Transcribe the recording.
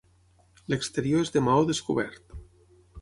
L'exterior és de maó descobert.